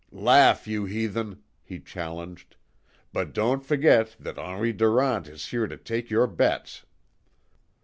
"Laugh, you heathen," he challenged, "but don't forget that Henri Durant is here to take your bets!"